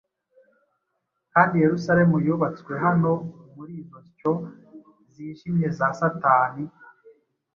Kandi Yerusalemu yubatswe hano Muri izo nsyo zijimye za satani?